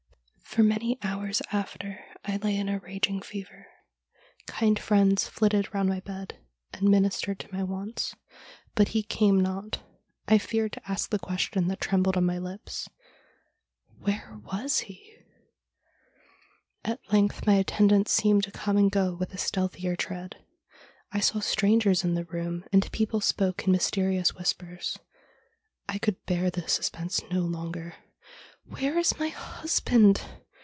' For many hours after I lay in a raging fever. Kind friends flitted round my bed and ministered to my wants, but he came not. I feared to ask the question that trembled on my lips — Where was he ? At length my attendants seemed to come and go with a stealthier tread. I saw strangers in the room, and people spoke in mysterious whispers. I could bear the suspense no longer. " Where is my husband